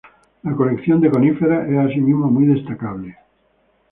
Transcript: La colección de coníferas es asimismo muy destacable.